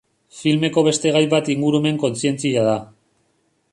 Filmeko beste gai bat ingurumen-kontzientzia da.